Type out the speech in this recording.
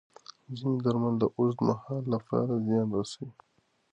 ځینې درمل د اوږد مهال لپاره زیان رسوي.